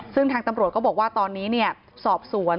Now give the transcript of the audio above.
ซึ่งทางตำรวจก็บอกว่าตอนนี้สอบสวน